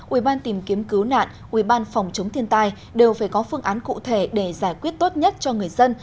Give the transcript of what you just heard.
ubnd tìm kiếm cứu nạn ubnd phòng chống thiên tai đều phải có phương án cụ thể để giải quyết tốt nhất cho người dân